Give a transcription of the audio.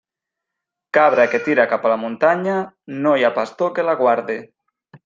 Cabra que tira cap a la muntanya, no hi ha pastor que la guarde.